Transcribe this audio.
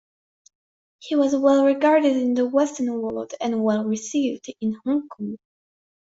He was well regarded in the Western world and well received in Hong Kong.